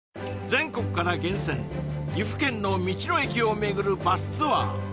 全国から厳選岐阜県の道の駅を巡るバスツアー